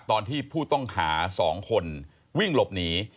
ตอนที่ผู้ต้องหา๒คนวิ่งหลบหนี